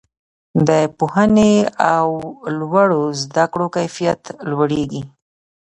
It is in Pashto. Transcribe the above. د پوهنې او لوړو زده کړو کیفیت لوړیږي.